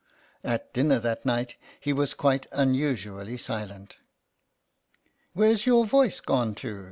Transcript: At dinner that night he was quite unusually silent. " Where's your voice gone to